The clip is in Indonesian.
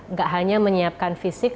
nggak hanya menyiapkan fisik